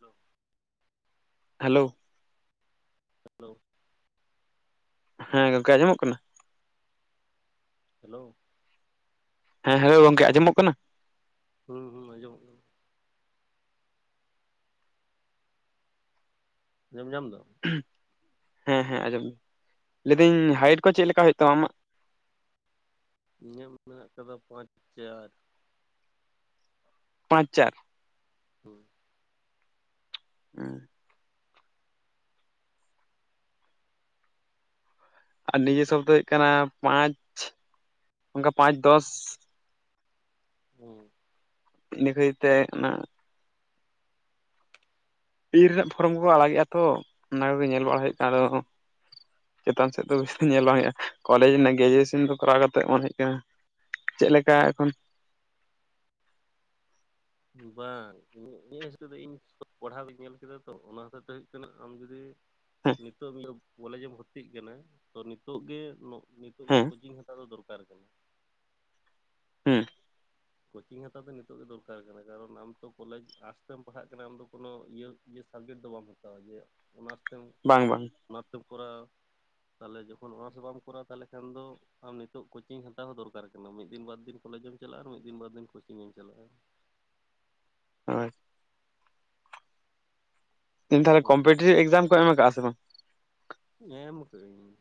Hello, hello, [inaudible] ᱦᱮᱸ ᱜᱚᱝᱠᱮ ᱟᱸᱡᱚᱢᱚᱜ ᱠᱟᱱᱟ? ᱦᱮᱞᱳᱣ, ᱦᱮᱸ ᱦᱮᱞᱳᱣ ᱜᱚᱝᱠᱮ ᱟᱸᱚᱢᱚᱜ ᱠᱟᱱᱟ? ᱦᱩᱸ ᱦᱩᱸ ᱟᱸᱡᱚᱢᱚᱜ ᱠᱟᱱᱟ᱾ ᱟᱸᱡᱚᱢ ᱧᱟᱢ ᱫᱟᱢ? ᱦᱮᱸ ᱦᱮᱸ ᱟᱸᱡᱚᱢ [inaudible] ᱞᱟᱹᱭᱫᱟᱹᱧ ᱦᱟᱭᱤᱴ ᱠᱚ ᱪᱮᱜ ᱞᱮᱠᱟ ᱦᱩᱭᱩᱜ ᱛᱟᱢᱟ ᱟᱢᱟᱜ? ᱤᱧᱟᱹᱜ ᱢᱮᱱᱟᱜ ᱟᱠᱟᱫᱟ ᱯᱟᱸᱪ ᱪᱟᱨ᱾ ᱯᱟᱸᱪ ᱪᱟᱨ? ᱦᱩᱸ᱾ [inaudible] ᱟᱨ ᱱᱤᱡᱮᱹ ᱥᱚᱵ ᱫᱚ ᱦᱩᱭᱩᱜ ᱠᱟᱱᱟ, ᱯᱟᱸᱪ ᱚᱱᱠᱟ ᱯᱟᱸᱪ ᱫᱚᱥ᱾ ᱦᱩᱸ ᱤᱱᱟᱹ ᱠᱷᱟᱹᱛᱤᱨ ᱛᱮ ᱚᱱᱟ [unintelligible] ᱨᱮᱱᱟᱜ ᱯᱷᱚᱨᱚᱢ ᱠᱚᱠᱚ ᱟᱲᱟᱜᱮᱜᱼᱟ ᱛᱚ ᱚᱱᱟ ᱠᱚᱜᱮ ᱧᱮᱞ ᱵᱟᱲᱟ ᱦᱩᱭᱩᱜ ᱟᱫᱚ ᱪᱮᱛᱟᱱ ᱥᱮᱫ ᱫᱚ ᱧᱮᱞ ᱵᱟᱝ ᱦᱩᱭᱩᱜᱼᱟ ᱠᱚᱞᱮᱡᱽ ᱨᱮᱱᱟᱜ ᱜᱮᱡᱩᱭᱮᱥᱚᱱ ᱠᱚ ᱠᱚᱨᱟᱣ ᱠᱟᱛᱮ ᱢᱚᱱᱮ [unintelligible] ᱠᱟᱱᱟ ᱪᱮᱜ ᱞᱮᱠᱟ ᱮᱠᱷᱚᱱ ᱵᱟᱝ ᱤᱧᱟᱹᱜ ᱦᱤᱥᱟᱹᱵᱽ ᱛᱮ ᱫᱚ ᱤᱧ ᱯᱚᱲᱦᱟᱣ ᱜᱤᱧ ᱧᱮᱞ ᱠᱮᱫᱟ ᱛᱚ ᱚᱱᱟ ᱦᱚᱛᱮ ᱛᱮ ᱦᱩᱭᱩᱜ ᱠᱟᱱᱟ ᱟᱢ ᱡᱩᱫᱤ ᱦᱮᱸ ᱱᱤᱛᱚᱜ ᱠᱚᱞᱮᱡᱽ ᱮᱢ ᱵᱷᱚᱨᱛᱤᱜ ᱠᱟᱱᱟᱭ ᱛᱚ ᱱᱤᱛᱚᱜ ᱜᱮ ᱱᱤᱛᱚᱜ ᱜᱮ ᱦᱮᱸ ᱠᱳᱪᱤᱝ ᱦᱟᱛᱟᱣ ᱫᱚ ᱫᱚᱨᱠᱟᱨ ᱠᱟᱱᱟ᱾ ᱦᱩᱸ ᱠᱳᱪᱤᱝ ᱦᱟᱛᱟᱣ ᱫᱚ ᱱᱤᱛᱚᱜ ᱜᱮ ᱫᱚᱨᱠᱟᱨ ᱠᱟᱱᱟ᱾ ᱠᱟᱨᱚᱱ ᱟᱢ ᱛᱚ ᱠᱚᱞᱮᱡᱽ ᱟᱨᱴᱥ ᱛᱮᱢ ᱯᱟᱲᱦᱟᱜ ᱠᱟᱱᱟ ᱟᱢ ᱫᱚ ᱠᱳᱱᱳ ᱤᱭᱟᱹ ᱤᱭᱟᱹ ᱥᱟᱵᱽᱡᱮᱠᱴ ᱫᱚ ᱵᱟᱢ ᱦᱟᱛᱟᱣᱟ ᱤᱭᱟᱹ ᱚᱱᱟᱨᱥ ᱛᱮᱢ ᱵᱟᱝ ᱵᱟᱝ ᱚᱱᱟᱨᱥ ᱛᱮᱢ ᱠᱚᱨᱟᱣ, ᱛᱟᱦᱚᱞᱮ ᱡᱚᱠᱷᱚᱱ ᱚᱱᱟᱨᱥ ᱛᱮ ᱵᱟᱢ ᱠᱚᱨᱟᱣ ᱛᱟᱦᱚᱞᱮ ᱠᱷᱟᱱ ᱫᱚ ᱟᱢ ᱱᱤᱛᱚᱜ ᱠᱳᱪᱤᱝ ᱦᱟᱛᱟᱣ ᱦᱚᱸ ᱫᱚᱨᱠᱟᱨ ᱠᱟᱱᱟ᱾ ᱢᱤᱫ ᱫᱤᱱ ᱵᱟᱨ ᱫᱤᱱ ᱠᱚᱞᱮᱡᱽ ᱮᱢ ᱪᱟᱞᱟᱜᱼᱟ, ᱟᱨ ᱢᱤᱫ ᱫᱤᱱ ᱵᱟᱨ ᱫᱤᱱ ᱠᱳᱪᱤᱝ ᱮᱢ ᱪᱟᱞᱟᱜᱼᱟ᱾ [unintelligible] [unintelligible] ᱠᱚᱢᱯᱮᱴᱤᱵᱷ ᱮᱠᱡᱟᱢ ᱠᱚ ᱮᱢ ᱠᱟᱜᱼᱟ ᱥᱮ ᱵᱟᱝ? ᱮᱢ ᱠᱟᱹᱜᱼᱟ. ᱧ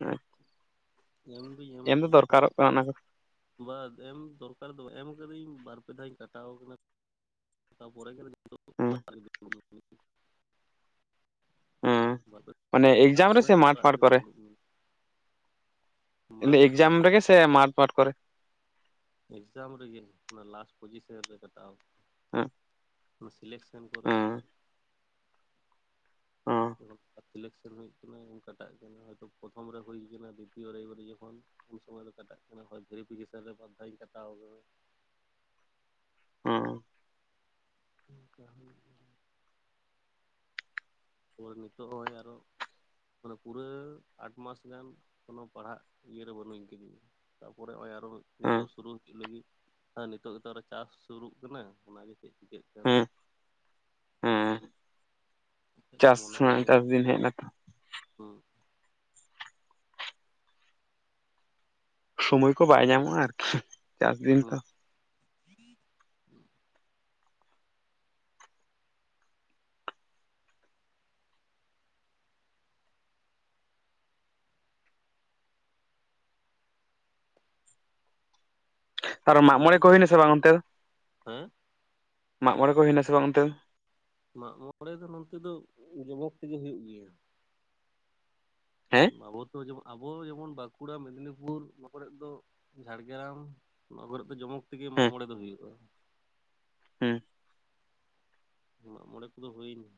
ᱟᱪᱪᱷᱟ ᱮᱢ ᱫᱩᱧ ᱮᱢ ᱠᱟᱫᱟ ᱚᱱᱟ ᱠᱚ ᱵᱟᱫ ᱮᱢ ᱫᱚᱨᱠᱟᱨ ᱫᱚ ᱮᱢ ᱠᱟᱹᱫᱟᱹᱧ ᱵᱟᱨ ᱯᱮ ᱫᱷᱟᱣ ᱤᱧ ᱠᱟᱴᱟᱣ ᱠᱟᱱᱟ᱾ ᱚᱱᱟ ᱯᱚᱨᱮ ᱜᱮ [unintelligible] ᱦᱮᱸ ᱦᱮᱸ ᱢᱟᱱᱮ ᱠᱟᱴᱟᱣ ᱮᱠᱡᱟᱢ ᱨᱮ ᱯᱚᱨᱮ ᱥᱮ ᱢᱟᱴ ᱚᱲᱟᱜ ᱯᱷᱟᱴ ᱨᱮᱜᱮ ᱠᱚᱨᱮ? ᱫᱩᱲᱩᱵ ᱢᱮ [unintelligible] ᱢᱟᱴᱷ ᱨᱮᱫᱚ ᱮᱠᱡᱟᱢ ᱵᱟᱝ ᱨᱮᱜᱮ ᱥᱮ ᱢᱟᱴ ᱯᱟᱴ ᱠᱚᱨᱮ? ᱮᱠᱡᱟᱢ ᱨᱮᱜᱮ ᱚᱱᱟ ᱞᱟᱥᱴ ᱯᱚᱡᱤᱥᱮᱱ ᱨᱮ ᱠᱟᱴᱟᱣ [unintelligible] ᱚᱱᱟ ᱥᱤᱞᱮᱠᱥᱮᱱ ᱠᱚᱨᱮ ᱦᱮᱸ ᱚᱸ ᱡᱚᱠᱷᱚᱱ ᱥᱤᱞᱮᱠᱥᱮᱱ ᱦᱩᱭᱩᱜ ᱠᱟᱱᱟ ᱠᱟᱴᱟᱜ ᱠᱟᱱᱟ, ᱦᱚᱭᱛᱚ ᱯᱨᱚᱛᱷᱚᱢ ᱨᱮ ᱦᱩᱭ ᱠᱟᱱᱟ ᱫᱤᱛᱤᱭᱚ ᱨᱮ [unintelligible] ᱡᱚᱠᱷᱚᱱ ᱩᱱ ᱥᱚᱢᱚᱭ ᱫᱚ ᱠᱟᱴᱟᱜ ᱠᱟᱱᱟ ᱦᱚᱭ ᱵᱷᱮᱨᱤᱯᱷᱤᱠᱮᱥᱮᱱ ᱨᱮ ᱵᱟᱨ ᱫᱷᱟᱣ ᱤᱧ ᱠᱟᱴᱟᱣ ᱠᱟᱱᱟ᱾ ᱦᱚᱸ ᱚᱱᱠᱟ ᱦᱩᱭᱩᱜ ᱜᱮᱭᱟ᱾ [unintelligible] ᱱᱤᱛᱚᱜ ᱦᱚᱸᱭ ᱟᱨ ᱦᱚᱸ ᱢᱟᱱᱮ ᱯᱩᱨᱟᱹ ᱟᱴ ᱢᱟᱥ ᱜᱟᱱ ᱠᱳᱱᱳ ᱯᱟᱲᱦᱟᱜ ᱤᱭᱟᱹᱨᱮ ᱵᱟᱹᱱᱩᱜ ᱤᱧ ᱠᱟᱹᱧᱟ᱾ ᱛᱟᱯᱚᱨᱮ ᱱᱚᱜᱼᱚᱭ ᱟᱨ ᱦᱚᱸ ᱦᱮᱸ ᱱᱤᱛᱚᱜ ᱥᱩᱨᱩ ᱦᱩᱭᱩᱜ ᱞᱟᱹᱜᱤᱫ᱾ ᱱᱤᱛᱚᱜ ᱜᱮᱛᱚ ᱟᱨ ᱦᱚᱸ ᱪᱟᱥ ᱥᱩᱨᱩᱜ ᱠᱟᱱᱟ᱾ ᱚᱱᱟ ᱜᱮ ᱪᱮᱫ ᱪᱤᱠᱟᱹᱜ ᱠᱟᱱ ᱦᱮᱸ ᱦᱮᱸ [inaudible] ᱪᱮᱫ ᱠᱚ ᱪᱟᱥ ᱢᱚᱱᱮ ᱦᱚᱸ ᱦᱩᱭᱱᱟ ᱱᱮᱛᱟᱨ ᱡᱮ ᱫᱤᱱ ᱦᱮᱡ ᱮᱱᱟᱛᱚ [unintelligible] ᱥᱚᱢᱚᱭ ᱠᱚ ᱵᱟᱭ ᱧᱟᱢᱚᱜᱼᱟ ᱟᱨᱠᱷᱤ ᱪᱟᱥ ᱫᱤᱱ ᱦᱩᱸ ᱛᱚ᱾ [inaudible] ᱟᱨ ᱢᱟᱜ ᱢᱚᱬᱮ ᱠᱚ ᱚᱱᱟᱜᱮ ᱦᱩᱭ. ᱱᱟᱥᱮ ᱵᱟᱝ ᱚᱱᱛᱮ ᱫᱚ? ᱦᱮᱸ ᱢᱟᱜ ᱢᱚᱬᱮ ᱠᱚ ᱦᱩᱭᱱᱟᱥᱮ ᱵᱟᱝ ᱚᱱᱛᱮ ᱫᱚ? ᱢᱟᱜᱼᱢᱚᱬᱮ ᱫᱚ ᱱᱚᱛᱮ ᱫᱚ ᱡᱚᱢᱚᱠ ᱛᱮᱜᱮ ᱦᱩᱭᱩᱜ ᱜᱮᱭᱟ᱾ ᱦᱮᱸ [unintelligible] ᱟᱵᱚ ᱡᱮᱢᱚᱱ ᱵᱟᱸᱠᱩᱲᱟ ᱢᱮᱫᱽᱱᱤᱯᱩᱨ ᱱᱚᱣᱟ ᱠᱚᱨᱮᱫ ᱫᱚ ᱡᱷᱟᱲᱜᱨᱟᱢ ᱱᱚᱣᱟ ᱠᱚᱨᱮᱫ ᱫᱚ ᱡᱚᱢᱚᱠ ᱛᱮᱜᱮ ᱢᱟᱜ ᱢᱚᱬᱮ ᱫᱚ ᱦᱩᱭᱩᱜᱼᱟ᱾ ᱦᱩᱸ ᱢᱟᱜ ᱢᱚᱬᱮ ᱠᱚᱫᱚ ᱦᱩᱭᱱᱟ᱾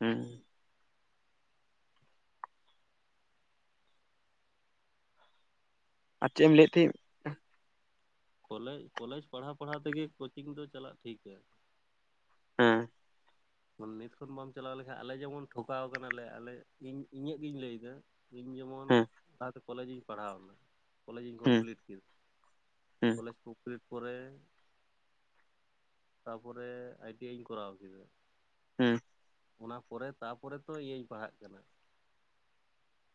ᱦᱩᱸ ᱟᱨ ᱪᱮᱫ ᱮᱢ ᱞᱟᱹᱭᱮᱫ ᱛᱟᱦᱮᱸᱫ? ᱠᱚᱞᱮ ᱠᱚᱞᱮᱡᱽ ᱯᱟᱲᱦᱟᱣ ᱯᱟᱲᱦᱟᱣ ᱛᱮᱜᱮ ᱠᱳᱪᱤᱝ ᱫᱚ ᱪᱟᱞᱟᱜ ᱴᱷᱤᱠᱟ᱾ ᱦᱮᱸ ᱱᱤᱛ ᱠᱷᱚᱱ ᱵᱟᱢ ᱪᱟᱞᱟᱣ ᱞᱮᱠᱷᱟᱱ ᱟᱞᱮ ᱡᱮᱢᱚᱱ ᱴᱷᱚᱠᱟᱣ ᱠᱟᱱᱟᱞᱮ ᱟᱞᱮ ᱤᱧ ᱤᱧᱟᱹᱜ ᱜᱤᱧ ᱞᱟᱹᱭ ᱮᱫᱟ ᱾ ᱤᱧ ᱡᱮᱢᱚᱱ ᱦᱮᱸ ᱞᱟᱦᱟᱛᱮ ᱠᱚᱞᱮᱡᱽ ᱤᱧ ᱯᱟᱲᱦᱟᱣ ᱮᱱᱟ ᱾ ᱠᱚᱞᱮᱡᱽ ᱤᱧ ᱦᱮᱸ ᱠᱚᱢᱯᱞᱤᱴ ᱠᱮᱫᱟ ᱾ ᱦᱮᱸ ᱠᱚᱞᱮᱡᱽ ᱠᱚᱢᱯᱞᱤᱴ ᱯᱚᱨᱮ ᱛᱟᱯᱚᱨᱮ ᱟᱭ ᱴᱤ ᱟᱭ ᱤᱧ ᱠᱚᱨᱟᱣ ᱠᱮᱫᱟ ᱾ ᱦᱮᱸ ᱚᱱᱟ ᱯᱚᱨᱮ ᱛᱟᱯᱚᱨᱮ ᱛᱚ ᱤᱭᱟᱹᱧ ᱯᱟᱲᱦᱟᱜ ᱠᱟᱱᱟ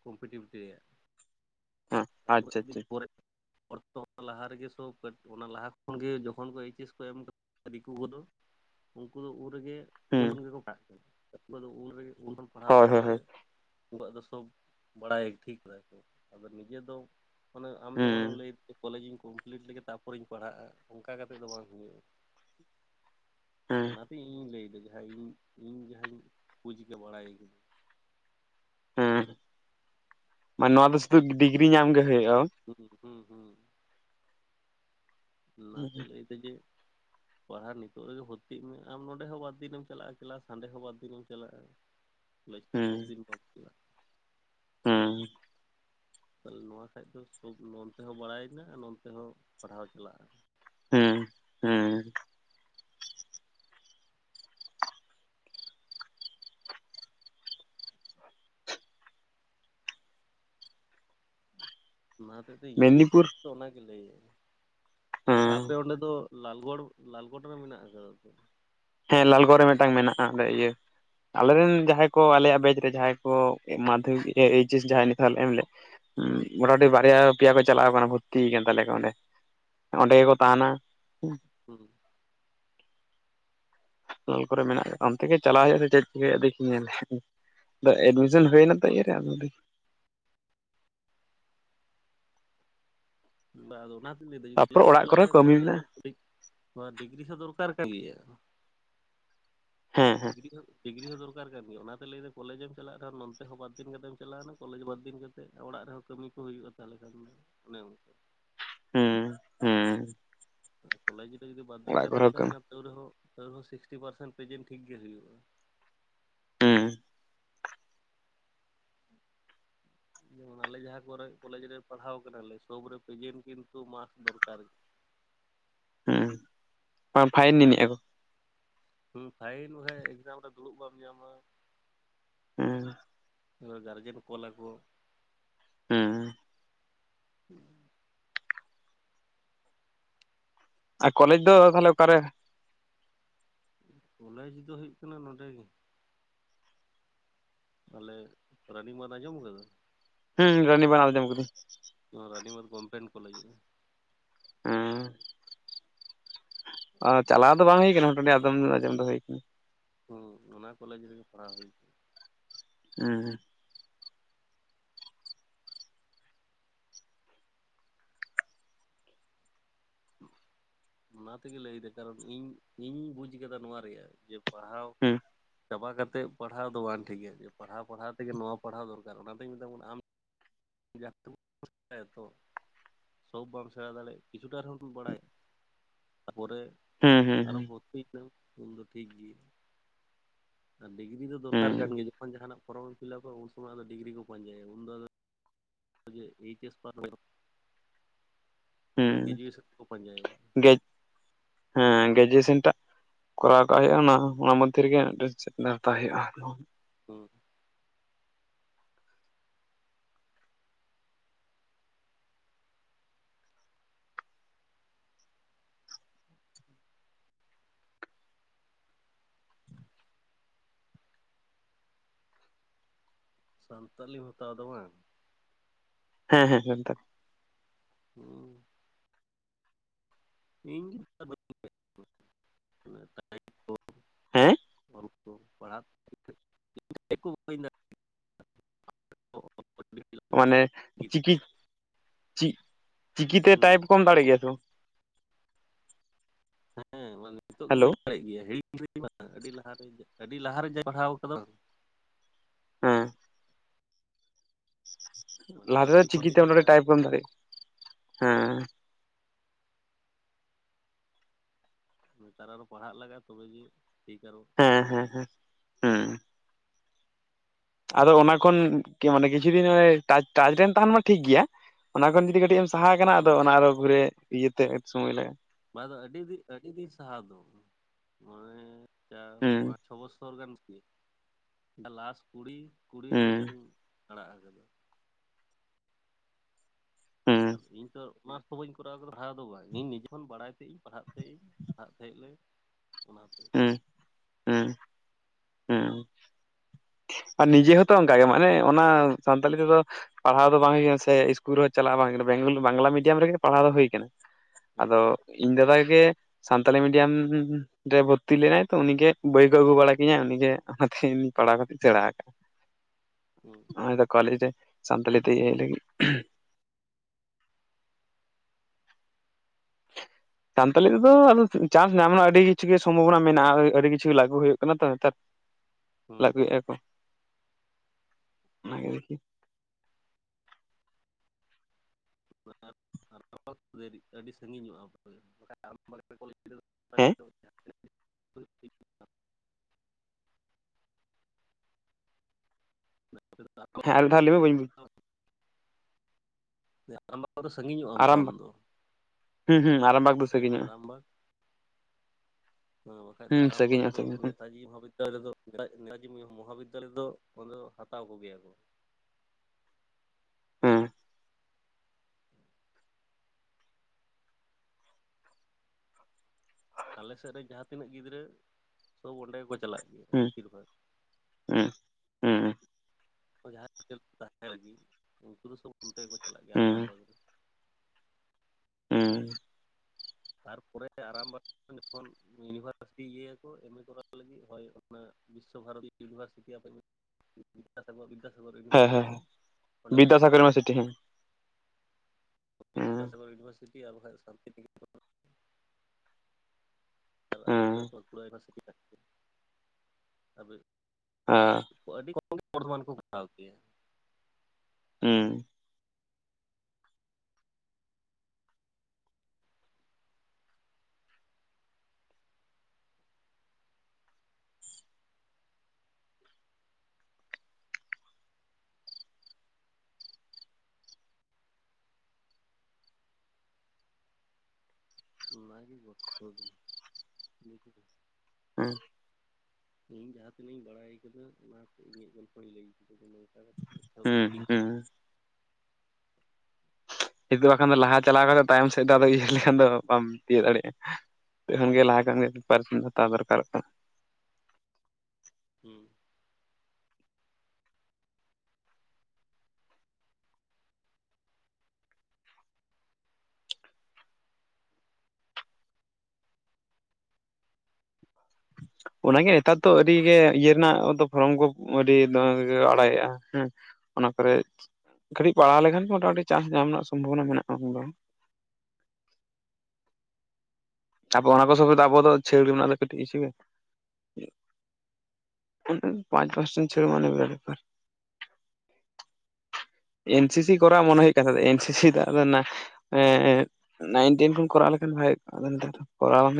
ᱠᱚᱢᱯᱤᱴᱤᱯ ᱨᱮᱭᱟᱜ ᱦᱮᱸ ᱟᱪᱪᱷᱟ ᱟᱪᱪᱷᱟ [unintelligible] ᱚᱠᱛᱚ ᱚᱱᱟ ᱞᱟᱦᱟ ᱨᱮᱜᱮ ᱥᱚᱵ ᱚᱱᱟ ᱞᱟᱦᱟ ᱠᱷᱚᱱ ᱜᱮ ᱡᱚᱠᱷᱚᱱ ᱠᱚ ᱮᱭᱤᱪᱮᱥ ᱠᱚ ᱮᱢ ᱫᱤᱠᱩ ᱠᱚᱫᱚ ᱩᱱᱠᱩ ᱫᱚ ᱩᱱ ᱨᱮᱜᱮ ᱩᱱ ᱦᱮᱸ ᱠᱷᱚᱱ ᱜᱮᱠᱚ ᱯᱟᱲᱦᱟᱜ ᱠᱟᱱᱟ ᱩᱱᱠᱩ ᱫᱚ ᱩᱱ ᱨᱮᱜᱮ ᱩᱱ ᱠᱷᱚᱱ ᱯᱟᱲᱦᱟᱣ ᱦᱳᱭ ᱦᱳᱭ ᱯᱟᱲᱦᱟᱣ ᱨᱮ ᱦᱳᱭ ᱩᱱᱠᱩᱣᱟᱜ ᱫᱚ ᱥᱚᱵ ᱵᱟᱲᱟᱭ ᱴᱷᱤᱠ ᱠᱟᱫᱟᱠᱚ ᱟᱫᱚ ᱱᱤᱡᱮ ᱫᱚ ᱢᱟᱱᱮ ᱟᱢ ᱡᱮᱢᱚᱱ ᱮᱢ ᱦᱮᱸ ᱞᱟᱹᱭ ᱠᱚᱞᱮᱡ ᱤᱧ ᱠᱚᱢᱯᱞᱤᱴ ᱞᱮᱜᱮ ᱛᱟᱯᱚᱨᱮᱧ ᱯᱟᱲᱦᱟᱜᱼᱟ ᱚᱱᱠᱟ ᱠᱟᱛᱮᱫ ᱫᱚ ᱵᱟᱝ ᱦᱩᱭᱩᱜᱼᱟ ᱾ ᱦᱮᱸ ᱚᱱᱟᱛᱮ ᱤᱧᱤᱧ ᱞᱟᱹᱭᱫᱟᱧ ᱡᱟᱦᱟᱸ ᱤᱧ ᱤᱧ ᱡᱟᱦᱟᱸᱧ ᱵᱩᱪ ᱠᱟᱜᱼᱟ ᱵᱟᱲᱟᱭ ᱠᱟᱹᱫᱟᱹᱧ ᱦᱩᱸ ᱢᱟᱱᱮ ᱱᱚᱣᱟ ᱫᱚ ᱥᱩᱫᱩ ᱰᱤᱜᱽᱨᱤ ᱧᱟᱢ ᱜᱮ ᱦᱳᱭᱳᱜᱼᱟ ᱾ ᱦᱩᱸ ᱦᱩᱸ ᱦᱩᱸ ᱚᱱᱟ ᱛᱮ ᱞᱟᱹᱭᱫᱟ ᱡᱮ ᱯᱟᱲᱦᱟᱜ ᱱᱤᱛᱚᱜ ᱨᱮᱜᱮ ᱵᱷᱚᱨᱛᱤᱜ ᱢᱮ ᱟᱢ ᱱᱚᱰᱮ ᱦᱚᱸ ᱵᱟᱨ ᱫᱤᱱ ᱮᱢ ᱪᱟᱞᱟᱜᱼᱟ ᱠᱮᱞᱟᱥ ᱦᱟᱸᱱᱰᱮ ᱦᱚᱸ ᱵᱟᱨ ᱫᱤᱱ ᱮᱢ ᱪᱟᱞᱟᱜᱼᱟ ᱾ [inaudible] ᱠᱚᱞᱮᱡᱽ ᱫᱚ ᱥᱚᱵ ᱫᱤᱱ ᱵᱟᱢ ᱪᱟᱞᱟᱜᱼᱟ ᱾ ᱦᱩᱸ ᱾ ᱱᱚᱣᱟ ᱠᱷᱟᱡᱽ ᱫᱚ ᱱᱚᱱᱛᱮ ᱦᱚᱸ ᱵᱟᱲᱟᱭ ᱮᱱᱟ ᱟᱨ ᱱᱚᱱᱛᱮ ᱦᱚᱸ ᱯᱟᱲᱦᱟᱣ ᱪᱟᱞᱟᱜᱼᱟ ᱾ ᱦᱩᱸ ᱦᱩᱸ ᱾ ᱚᱱᱟ ᱦᱚᱛᱮᱡ ᱛᱮ ᱤᱧᱟᱹᱜ ᱦᱤᱥᱟᱹᱵ ᱢᱮᱫᱽᱱᱤᱯᱩᱨ ᱛᱮ ᱚᱱᱟᱜᱮ ᱞᱟᱹᱭᱟᱹᱧ ᱟᱨ ᱵᱟᱠᱷᱟᱡ ᱦᱮᱸ ᱟᱯᱮ ᱚᱸᱰᱮ ᱫᱚ ᱞᱟᱞᱜᱚᱲ ᱞᱟᱞᱜᱚᱲ ᱨᱮ ᱢᱮᱱᱟᱜ ᱟᱠᱟᱫᱟ ᱛᱚ ᱾ ᱦᱮᱸ ᱞᱟᱞᱜᱚᱲ ᱨᱮ ᱢᱤᱫᱴᱟᱝ ᱢᱮᱱᱟᱜᱼᱟ, ᱚᱸᱰᱮ ᱤᱭᱟᱹ ᱟᱞᱮᱨᱮᱱ ᱡᱟᱦᱟᱸᱭ ᱠᱚ ᱟᱞᱮᱭᱟᱜ ᱵᱮᱪ ᱨᱮ ᱡᱟᱦᱟᱸᱭ ᱠᱚ ᱢᱟᱫᱽᱫᱷᱚᱢᱤᱠ ᱮᱭᱤᱪᱮᱥ ᱡᱟᱦᱟᱸᱭ ᱱᱤᱛᱚᱜ ᱞᱮ ᱮᱢ ᱞᱮᱫ ᱦᱩᱸ [unintelligible] ᱚᱸᱰᱮ ᱵᱟᱨᱭᱟ ᱯᱮᱭᱟ ᱠᱚ ᱪᱟᱞᱟᱣ ᱠᱟᱱᱟ ᱵᱷᱚᱨᱛᱤ ᱟᱠᱟᱱ ᱛᱟᱞᱮᱭ ᱟᱠᱚ ᱚᱸᱰᱮ ᱚᱸᱰᱮ ᱜᱮᱠᱚ ᱛᱟᱦᱮᱱᱟ ᱾ ᱦᱩᱸ ᱾ ᱦᱳᱥᱴᱮᱞ ᱠᱚᱨᱮ ᱢᱮᱱᱟᱜ-ᱟ, ᱚᱱᱛᱮ ᱜᱮ ᱪᱟᱞᱟᱣ ᱦᱩᱭᱩᱜᱼᱟ ᱥᱮ ᱪᱮᱫ ᱪᱤᱠᱟᱹ ᱦᱩᱭᱩᱜᱼᱟ ᱫᱮᱠᱷᱤ ᱧᱮᱞ ᱟᱫᱚ ᱮᱰᱢᱤᱥᱚᱱ ᱦᱩᱭᱱᱟ ᱛᱚ ᱤᱭᱟᱹ ᱨᱮ ᱵᱟᱝ ᱚᱱᱟ ᱦᱚᱸᱛᱚᱧ ᱞᱟᱹᱭᱫᱟ ᱡᱩᱫᱤ ᱛᱟᱯᱚᱨ ᱠᱚᱞᱮᱡᱽ ᱮᱢ ᱚᱲᱟᱜ ᱪᱟᱞᱟᱜ ᱠᱚᱨᱮ ᱠᱷᱟᱱ ᱠᱟᱹᱢᱤ ᱠᱚᱞᱮᱡᱽ ᱦᱚᱸ ᱢᱮᱱᱟᱜᱼᱟ ᱫᱚᱨ ᱰᱤᱜᱽᱨᱤ ᱦᱚᱸ ᱫᱚᱨᱠᱟᱨ ᱠᱟᱱ ᱜᱮᱭᱟ ᱾ ᱦᱮᱸ ᱦᱮᱸ [unintelligible] ᱰᱤᱜᱽᱨᱤ ᱦᱚᱸ ᱫᱚᱨᱠᱟᱨ ᱠᱟᱱ ᱜᱮᱭᱟ ᱚᱱᱟᱛᱮ ᱞᱟᱹᱭᱫᱟ ᱠᱚᱞᱮᱡᱽ ᱮᱢ ᱪᱟᱞᱟᱜᱼᱟ ᱱᱚᱱᱛᱮ ᱦᱚᱸ ᱵᱟᱨ ᱫᱤᱱ ᱠᱟᱛᱮᱢ ᱪᱟᱞᱟᱣᱱᱟ ᱠᱚᱞᱮᱡᱽ ᱵᱟᱨ ᱫᱤᱱ ᱠᱟᱛᱮ ᱚᱲᱟᱜ ᱨᱮᱦᱚᱸ ᱠᱟᱹᱢᱤ ᱠᱚ ᱦᱩᱭᱩᱜᱼᱟ ᱛᱟᱦᱚᱞᱮ ᱠᱷᱟᱱ ᱫᱚ ᱚᱱᱮ ᱚᱱᱠᱟ ᱦᱩᱸ ᱾ ᱠᱚᱞᱮᱡᱽ ᱨᱮ ᱡᱩᱫᱤ ᱵᱟᱨ ᱫᱤᱱ ᱚᱲᱟᱜ ᱠᱚᱨᱮ ᱠᱟᱛᱮᱢ ᱠᱟᱹᱢᱤ ᱛᱟᱦᱮᱱᱟ ᱛᱟᱹᱣ ᱨᱮᱦᱚᱸ ᱛᱟᱹᱣ ᱨᱮᱦᱚᱸ ᱥᱤᱠᱥᱴᱤ ᱯᱟᱨᱥᱮᱱ ᱯᱡᱮᱱᱴ ᱴᱷᱤᱠ ᱜᱮ ᱦᱩᱭᱩᱜᱼᱟ ᱾ ᱦᱩᱸ ᱾ ᱡᱮᱢᱚᱱ ᱟᱞᱮ ᱡᱟᱦᱟᱸ ᱠᱚᱨᱮ ᱠᱚᱞᱮᱡᱽ ᱨᱮ ᱯᱟᱲᱦᱟᱣ ᱠᱟᱱᱟᱞᱮ ᱥᱚᱵ ᱨᱮ ᱯᱨᱡᱮᱱ ᱠᱤᱱᱛᱩ ᱢᱟᱠᱥ ᱫᱚᱨᱠᱟᱨ ᱦᱩᱸ ᱵᱟᱝ ᱯᱷᱟᱭᱤᱱ ᱟᱹᱱᱤᱡ ᱟᱠᱚ ᱦᱩᱸ ᱯᱷᱟᱭᱤᱱ ᱵᱟᱠᱷᱟᱡᱽ ᱮᱠᱡᱟᱢ ᱨᱮ ᱫᱩᱲᱩᱵ ᱵᱟᱢ ᱧᱟᱢᱟ ᱾ ᱦᱩᱸ ᱾ ᱜᱟᱨᱡᱮᱱ ᱠᱚᱞ ᱟᱠᱚ ᱾ ᱦᱩᱸ ᱾ ᱦᱩᱸ ᱾ ᱟᱨ ᱠᱚᱞᱮᱡᱽ ᱫᱚ ᱛᱟᱦᱚᱞᱮ ᱚᱠᱟᱨᱮ? ᱠᱚᱞᱮᱡᱽ ᱫᱚ ᱦᱩᱭᱩᱜ ᱠᱟᱱᱟ ᱱᱚᱸᱰᱮ ᱜᱮ ᱟᱞᱮ ᱨᱟᱱᱤᱵᱟᱸᱫ ᱟᱸᱡᱚᱢ ᱟᱠᱟᱫᱟ ᱾ ᱦᱩᱸ ᱨᱟᱱᱤᱵᱟᱸᱫ ᱟᱸᱡᱚᱢ ᱟᱠᱟᱫᱤᱧ ᱾ ᱱᱚᱣᱟ ᱨᱟᱱᱤᱵᱟᱸᱫ ᱠᱚᱢᱯᱮᱱ ᱠᱚ ᱞᱟᱹᱭᱚᱜᱼᱟ᱾ ᱦᱩᱸ ᱾ ᱪᱟᱞᱟᱣ ᱫᱚ ᱵᱟᱝ ᱦᱩᱭ ᱠᱟᱱᱟ ᱢᱚᱴᱟᱢᱩᱴᱤ ᱟᱫᱚᱢ ᱟᱸᱡᱚᱢ ᱫᱚ ᱦᱩᱭ ᱠᱟᱱᱟ ᱾ ᱦᱩᱸ ᱚᱱᱟ ᱠᱚᱞᱮᱡᱽ ᱨᱮᱜᱮ ᱯᱟᱲᱦᱟᱣ ᱦᱩᱭ ᱦᱮᱸ ᱦᱮᱸ ᱚᱱᱟ ᱛᱮᱜᱮ ᱞᱟᱹᱭ ᱮᱫᱟ ᱠᱟᱨᱚᱱ ᱤᱧ ᱤᱧ ᱵᱩᱡᱽ ᱟᱠᱟᱫᱟ ᱱᱚᱶᱟ ᱨᱮᱭᱟᱜ ᱡᱮ ᱯᱟᱲᱦᱟᱣ ᱦᱮᱸ ᱪᱟᱵᱟ ᱠᱟᱛᱮᱫ ᱯᱟᱲᱦᱟᱣ ᱫᱚ ᱵᱟᱝ ᱴᱷᱤᱠ ᱜᱮᱭᱟ ᱯᱟᱲᱦᱟᱣ ᱯᱟᱲᱦᱟᱣ ᱛᱮᱜᱮ ᱱᱚᱣᱟ ᱯᱟᱲᱦᱟᱣ ᱫᱚᱨᱠᱟᱨ ᱚᱱᱟ ᱛᱮᱧ ᱢᱮᱛᱟᱢ ᱠᱟᱱᱟ ᱟᱢ [unintelligible] ᱛᱚ ᱥᱚᱵᱽ ᱵᱟᱢ ᱥᱮᱬᱟ ᱫᱟᱲᱮᱭᱟᱜᱼᱟ ᱠᱤᱪᱷᱩᱴᱟᱜ ᱨᱮᱦᱚᱢ ᱵᱟᱲᱟᱭᱟ ᱛᱟᱯᱚᱨᱮ ᱦᱩᱸ ᱦᱩᱸ ᱦᱩᱸ ᱟᱨᱦᱚᱸ [unintelligible] ᱫᱚ ᱴᱷᱤᱠ ᱜᱮᱭᱟ ᱟᱨ ᱰᱤᱜᱽᱨᱤ ᱫᱚ ᱫᱚᱨᱠᱟᱨ ᱠᱟᱱ ᱦᱩᱸ ᱜᱮᱭᱟ ᱡᱚᱠᱷᱚᱱ ᱡᱟᱦᱟᱱᱟᱜ ᱯᱷᱚᱨᱚᱢᱮᱢ ᱯᱷᱤᱞᱟᱯᱼᱟ ᱩᱱ ᱥᱚᱢᱚᱭ ᱫᱚ ᱰᱤᱜᱽᱨᱤ ᱠᱚ ᱯᱟᱸᱡᱟᱭᱟ ᱩᱱ ᱫᱚ ᱟᱫᱚ ᱡᱮ [unintelligible] ᱦᱮᱸ ᱜᱨᱮᱡᱩᱭᱮᱥᱚᱱ ᱠᱚ ᱯᱟᱸᱡᱟᱭᱟ [unintelligible] ᱦᱮᱸ ᱜᱨᱮᱡᱩᱭᱮᱥᱚᱱᱴᱟᱜ ᱠᱚᱨᱟᱣ ᱠᱟᱜ ᱦᱩᱭᱩᱜᱼᱟ ᱚᱱᱟ ᱚᱱᱟ ᱢᱚᱫᱽᱫᱷᱮ ᱨᱮᱜᱮ [unintelligible] ᱦᱟᱛᱟᱣ ᱦᱩᱭᱩᱜᱼᱟ ᱦᱮᱸ ᱥᱟᱱᱛᱟᱹᱞᱤᱢ ᱦᱟᱛᱟᱣ ᱮᱫᱟ ᱵᱟᱝ ᱦᱮᱸ ᱦᱮᱸ ᱦᱮ ᱥᱟᱱᱛᱟᱞᱤᱼᱼ ᱦᱩᱸ ᱤᱧ [unintelligible] ᱦᱮᱸ ᱚᱞ ᱠᱚ [unintelligible] ᱢᱟᱱᱮ ᱪᱤᱠᱤ [unintelligible] ᱪᱤᱠᱤᱛᱮ ᱴᱟᱭᱤᱯ ᱠᱚᱢ ᱫᱟᱲᱮᱭᱟᱜ ᱜᱮᱭᱟ ᱛᱚ ᱦᱮᱸ ᱢᱟᱱᱮ ᱱᱤᱛᱚᱜ ᱫᱚ ᱦᱮᱞᱳ ᱵᱟᱹᱧ ᱫᱟᱲᱮᱭᱟᱜ ᱜᱮᱭᱟ ᱦᱤᱲᱤᱧ [unintelligible] ᱟᱹᱰᱤ ᱞᱟᱦᱟ ᱨᱮ ᱟᱹᱰᱤ ᱞᱟᱦᱟᱨᱮ ᱡᱮ ᱯᱟᱲᱦᱟᱣ ᱟᱠᱟᱫᱟ ᱦᱮᱸ ᱵᱟᱝ ᱱᱮᱛᱟᱨ [unintelligible] ᱴᱟᱭᱤᱯ ᱪᱤᱠᱤ ᱟᱹᱰᱤ ᱛᱮ ᱜᱷᱟᱹᱲᱤᱡ ᱱᱚᱸᱰᱮ ᱴᱟᱭᱤᱯ ᱞᱟᱜᱟᱜᱼᱟ ᱵᱟᱢ ᱫᱟᱲᱮᱭᱟᱜᱼᱟ ᱦᱮᱸ ᱱᱮᱛᱟᱨ ᱟᱨᱦᱚᱸ ᱯᱟᱲᱦᱟᱜ ᱞᱟᱜᱟᱜᱼᱟ ᱛᱚᱵᱮ ᱡᱮ ᱴᱷᱤᱠ ᱟᱨᱦᱚᱸ ᱦᱮᱸ ᱫᱟᱲᱮ ᱦᱮᱸ ᱦᱮᱸ ᱦᱮᱸ ᱟᱫᱚ ᱚᱱᱟ ᱠᱷᱚᱱ ᱠᱤ ᱢᱟᱱᱮ ᱠᱤᱪᱷᱩ ᱫᱤᱱ ᱴᱟᱪ ᱴᱟᱪ ᱨᱮᱢ ᱛᱟᱦᱮᱱ ᱢᱟ ᱴᱷᱤᱠ ᱜᱮᱭᱟ ᱚᱱᱟ ᱠᱷᱚᱱ ᱡᱩᱫᱤ ᱠᱟᱹᱴᱤᱡ ᱮᱢ ᱥᱟᱦᱟ ᱟᱠᱟᱱᱟ ᱟᱫᱚ ᱦᱩᱸ ᱚᱱᱟ ᱟᱨᱚ ᱜᱷᱩᱨᱮ ᱤᱭᱟᱹ ᱛᱮ ᱟᱹᱰᱤ ᱥᱚᱢᱚᱭ ᱞᱟᱜᱟᱜᱼᱟ ᱵᱟᱝ ᱫᱚ ᱟᱹᱰᱤ ᱫᱤᱱ ᱟᱹᱰᱤ ᱫᱤᱱ ᱥᱟᱦᱟ ᱫᱚ ᱱᱚᱜᱼᱚᱭ ᱪᱟᱨ ᱦᱩᱸ ᱯᱟᱸᱪ ᱪᱷᱚ ᱵᱚᱪᱷᱚᱨ ᱜᱟᱱ ᱟᱨᱠᱤ [unintelligible] ᱞᱟᱥ ᱠᱩᱲᱤ ᱠᱩᱲᱤ ᱨᱮᱜᱮ ᱦᱩᱸ ᱟᱲᱟᱜ ᱟᱠᱟᱫᱟ ᱦᱩᱸ ᱟᱨ ᱤᱧ ᱛᱚ [unintelligible] ᱵᱟᱹᱧ ᱠᱚᱨᱟᱣ ᱠᱮᱫᱟ ᱯᱟᱲᱦᱟᱣ ᱫᱚ ᱵᱟᱝ ᱤᱧ ᱱᱤᱡᱮ ᱠᱷᱚᱱ ᱵᱟᱲᱟᱭ ᱛᱟᱦᱮᱸᱜ ᱤᱧ ᱯᱟᱲᱦᱟᱜ ᱛᱟᱦᱮᱸᱜ ᱤᱧ ᱯᱟᱲᱦᱟᱜ ᱛᱟᱦᱮᱸᱜ ᱞᱮ ᱚᱱᱟ ᱛᱮ ᱦᱩᱸ ᱦᱩᱸ ᱦᱩᱸ ᱟᱨ ᱱᱤᱡᱮ ᱦᱚᱸ ᱛᱚ ᱚᱱᱠᱟᱜᱮ ᱢᱟᱱᱮ ᱚᱱᱟ ᱥᱟᱱᱛᱟᱞᱤ ᱛᱮᱫᱚ ᱯᱟᱲᱦᱟᱣ ᱫᱚ ᱵᱟᱝ ᱦᱩᱭᱩᱜᱼᱟ ᱥᱮ ᱤᱥᱠᱩᱞ ᱨᱮᱦᱚᱸ ᱪᱟᱞᱟᱜ ᱵᱟᱝ ᱦᱩᱭ ᱟᱠᱟᱱᱟ ᱵᱮᱝᱞᱩ ᱵᱟᱝᱞᱟ ᱢᱤᱰᱤᱭᱟᱢ ᱨᱮᱜᱮ ᱯᱟᱲᱦᱟᱣ ᱫᱚ ᱦᱩᱭ ᱟᱠᱟᱱᱟ ᱦᱩᱸ ᱟᱫᱚ ᱤᱧ ᱫᱟᱫᱟ ᱞᱟᱹᱭᱟᱭ ᱥᱟᱱᱛᱟᱞᱤ ᱢᱤᱰᱤᱭᱟᱢᱻ ᱨᱮ ᱵᱷᱚᱨᱛᱤ ᱞᱮᱱᱟᱭ ᱛᱚ ᱩᱱᱤᱜᱮ ᱵᱚᱭ ᱠᱚ ᱟᱹᱜᱩ ᱵᱟᱲᱟ ᱠᱤᱧᱟᱭ ᱩᱱᱤᱜᱮ ᱚᱱᱟᱛᱮᱧ ᱯᱟᱲᱦᱟᱣ ᱠᱟᱛᱮᱧ ᱥᱮᱬᱟ ᱟᱠᱟᱜᱼᱟ ᱦᱩᱸ ᱩᱱᱤᱫᱚ ᱠᱚᱞᱮᱡᱽᱼᱮ ᱥᱟᱱᱛᱟᱞᱤ ᱛᱮ [unintelligible] ᱞᱟᱹᱜᱤᱫ [inaudible] ᱥᱟᱱᱛᱟᱞᱤ ᱨᱮᱫᱚ ᱪᱟᱱᱥ ᱧᱟᱢ ᱨᱮᱱᱟᱜ ᱟᱹᱰᱤ ᱠᱤᱪᱷᱩ ᱜᱮ ᱥᱚᱢᱵᱷᱚᱵᱚᱱᱟ ᱢᱮᱱᱟᱜᱼᱟ ᱟᱹᱰᱤ ᱠᱤᱪᱷᱩ ᱜᱮ ᱞᱟᱹᱜᱩ ᱦᱩᱭᱩᱜ ᱠᱟᱱᱟ ᱛᱚ ᱱᱮᱛᱟᱨ ᱦᱩᱸ ᱞᱟᱹᱜᱩᱭᱮᱫᱼᱟ ᱠᱚ ᱚᱱᱟᱜᱮ ᱫᱮᱠᱷᱤ [unintelligible] ᱟᱹᱰᱤ ᱥᱟᱺᱜᱤᱧᱚᱜᱼᱟ [unintelligible] ᱦᱮᱸ [unintelligible] ᱦᱮᱸ ᱟᱨ [unintelligible] ᱵᱟᱹᱧ ᱟᱢ [unintelligible] ᱫᱚ ᱥᱟᱺᱜᱤᱧᱚᱜᱼᱟᱢ ᱛᱚ ᱟᱢ ᱫᱚ ᱦᱮᱸ ᱦᱮᱸ ᱦᱮᱸ [unintelligible] ᱮᱸ ᱵᱟᱠᱷᱟᱡ ᱫᱚ ᱟᱨᱟᱢᱵᱟᱜᱽ ᱥᱟᱺᱜᱤᱧᱚᱜᱼᱟ ᱫᱚ ᱥᱟᱺᱜᱤᱧ ᱠᱷᱚᱱ ᱱᱮᱛᱟᱡᱤ ᱵᱷᱟᱵᱮ [unintelligible] ᱢᱚᱦᱟ ᱵᱤᱫᱽᱫᱟᱞᱚᱭ ᱫᱚ [unintelligible] ᱦᱟᱛᱟᱣ ᱠᱚᱜᱮᱭᱟ ᱠᱚ ᱦᱮᱸ ᱦᱮᱸ [inaudible] ᱟᱞᱮ ᱥᱮᱜ ᱨᱮ ᱡᱟᱦᱟᱸ ᱛᱤᱱᱟᱹᱜ ᱜᱤᱫᱽᱨᱟᱹ ᱥᱚᱵ ᱚᱸᱰᱮ ᱜᱮᱠᱚ ᱪᱟᱞᱟᱜ ᱜᱮᱭᱟ ᱵᱮᱥᱤᱨ ᱵᱷᱟᱜᱽ᱾ ᱩᱜ [unintelligible] ᱩᱝᱠᱩ ᱫᱚ ᱥᱚᱵ ᱚᱱᱛᱮ ᱜᱮᱠᱚ ᱪᱟᱞᱟᱜ ᱜᱮᱭᱟ ᱦᱩᱸ [unintelligible] ᱩᱸ ᱛᱟᱨᱯᱚᱨᱮ ᱟᱨᱟᱢ ᱵᱟ ᱡᱚᱠᱷᱚᱱ ᱤᱭᱩᱱᱤᱵᱷᱟᱨᱥᱤᱴᱤ ᱤᱭᱟᱹᱭᱟᱠᱚ ᱮᱢ ᱮ ᱠᱚᱨᱟᱣ ᱞᱟᱹᱜᱤᱫ ᱦᱚᱭ ᱚᱱᱟ ᱵᱤᱥᱥᱚ ᱵᱷᱟᱨᱚᱛᱤ ᱤᱭᱩᱱᱤᱵᱷᱟᱨᱥᱤᱴᱤ ᱟᱯᱮ [inaudible] ᱵᱤᱫᱫᱟᱥᱟᱜᱚᱨ ᱵᱤᱫᱽᱫᱟᱥᱟᱜᱚᱨ ᱦᱮᱸ ᱦᱮᱸ ᱤᱭᱩᱱᱤᱵᱷᱟᱨᱥᱤᱴᱤ ᱚᱸᱰᱮ ᱠᱚ ᱪᱟᱞᱟᱜ ᱵᱤᱫᱽᱫᱟᱥᱟᱜᱚᱨ ᱤᱭᱩᱱᱤᱵᱷᱟᱨᱥᱤᱴᱤ ᱦᱮᱸ ᱦᱮᱸ ᱵᱤᱫᱟᱥᱟᱜᱚᱨ ᱤᱭᱩᱱᱤᱵᱷᱟᱨᱥᱤᱴᱤ ᱟᱨ ᱵᱟᱠᱷᱟᱡ ᱫᱚ ᱥᱟᱱᱛᱤᱠ ᱟᱨ ᱟᱞᱮ ᱦᱮᱸ ᱚᱸᱰᱮ ᱵᱟᱠᱩᱲᱟ ᱥᱮᱴᱤ ᱨᱮ ᱟᱫᱮ ᱟᱸ ᱟᱹᱰᱤ [unintelligible] ᱠᱚ ᱠᱚᱨᱟᱣ ᱠᱮᱭᱟ᱾ ᱦᱚᱸ ᱚᱱᱟᱜᱮ ᱜᱚᱞᱯᱚ ᱫᱚ [unintelligible] ᱦᱩᱸ ᱤᱧ ᱡᱟᱦᱟᱸ ᱛᱱᱟᱹᱜ ᱤᱧ ᱵᱟᱲᱟᱭ ᱠᱟᱫᱟ ᱚᱱᱟᱛᱮ ᱤᱧᱟᱹᱜ ᱜᱚᱞᱯᱚ ᱤᱧ ᱞᱟᱹᱭ ᱠᱮᱫᱟ ᱡᱮ ᱱᱚᱝᱠᱟ ᱠᱟᱛᱮᱜᱮ ᱮᱛᱚᱦᱚᱵ ᱦᱩᱸ ᱴᱷᱤᱠ ᱦᱩᱸ ᱜᱮᱭᱟ᱾ ᱧᱤᱫ ᱫᱚ ᱵᱟᱠᱷᱟᱱ ᱫᱚ ᱞᱟᱦᱟ ᱪᱟᱞᱟᱣ ᱠᱟᱛᱮᱫ ᱛᱟᱭᱚᱢ ᱥᱮᱫ ᱫᱚ ᱟᱫᱚ ᱩᱭᱦᱟᱹᱨ ᱞᱮᱠᱷᱟᱱ ᱫᱚ ᱵᱟᱢ ᱛᱤᱭᱳᱜ ᱫᱟᱲᱮᱜᱼᱟ᱾ ᱦᱩᱸ [unintelligible] ᱜᱮ ᱞᱟᱦᱟ ᱠᱷᱚᱱ ᱜᱮ ᱯᱮᱯᱟᱨᱤᱥᱮᱱ ᱦᱟᱛᱟᱣ ᱫᱚᱨᱠᱟᱨ ᱠᱟᱱᱟ᱾ ᱦᱩ ᱚᱱᱟᱜᱮ ᱧᱮᱛᱟᱨ ᱫᱚ ᱟᱹᱰᱤᱜᱮ ᱤᱭᱟᱹ ᱨᱮᱱᱟᱜ ᱯᱷᱚᱨᱚᱢ ᱠᱚ ᱟᱹᱰᱤ ᱟᱲᱟᱜᱮᱜᱼᱟ ᱦᱮᱸ᱾ ᱚᱱᱟ ᱠᱚᱨᱮᱜ ᱠᱟᱹᱴᱤᱡ ᱯᱟᱲᱦᱟᱣ ᱞᱮᱠᱷᱟᱱ ᱜᱮ ᱢᱚᱴᱟᱢᱩᱴᱤ ᱪᱟᱹᱱᱥ ᱧᱟᱢ ᱨᱮᱱᱟᱜ ᱥᱚᱢᱵᱷᱚᱵᱚᱱᱟ ᱢᱮᱱᱟᱜᱼᱟ ᱩᱱᱫᱚ᱾ ᱟᱵᱚ ᱚᱱᱟ ᱠᱚ ᱥᱩᱵᱤᱫᱷᱟ ᱟᱵᱚ ᱫᱚ ᱪᱷᱟᱹᱲ ᱢᱮᱱᱟᱜ ᱫᱚ ᱠᱟᱹᱴᱤᱜ ᱠᱤᱪᱷᱩ ᱜᱮ᱾ ᱯᱟᱸᱪ ᱯᱟᱨᱥᱮᱱ ᱪᱷᱟᱹᱲ ᱢᱟᱱᱮ ᱵᱤᱨᱟᱴ ᱵᱮᱯᱟᱨ᱾ ᱮᱱ ᱥᱤ ᱥᱤ ᱠᱚ ᱢᱚᱱᱮ ᱦᱩᱭᱩᱜ ᱠᱟᱛ ᱮᱱ ᱥᱤ ᱥᱤ ᱫᱚ ᱱᱟ ᱮᱸ ᱱᱟᱭᱤᱱ ᱴᱮᱱ ᱠᱷᱚᱱ ᱠᱚᱨᱟᱣ ᱞᱮᱠᱷᱟᱱ ᱵᱷᱟᱜᱮ, [unintelligible]